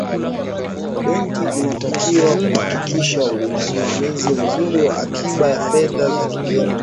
benki inatakiwa kuhakikisha usimamizi mzuri wa akiba ya fedha za kigeni